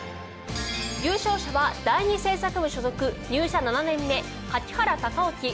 優勝者は第２制作部所属入社７年目柿原貴興。